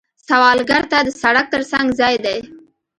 سوالګر ته د سړک تر څنګ ځای دی